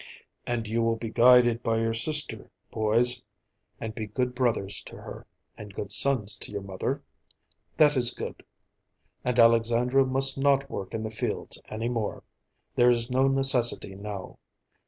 "And you will be guided by your sister, boys, and be good brothers to her, and good sons to your mother? That is good. And Alexandra must not work in the fields any more. There is no necessity now.